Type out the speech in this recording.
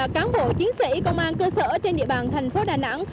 cán bộ chiến sĩ công an cơ sở trên địa bàn thành phố đà nẵng